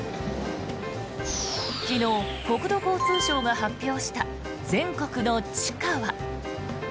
昨日、国土交通省が発表した全国の地価は。